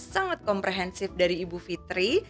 sangat komprehensif dari ibu fitri